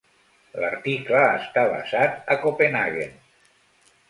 L"article està basat a Copenhagen.